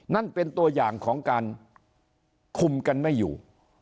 นั่นเป็นตัวอย่างของการคุมกันไม่อยู่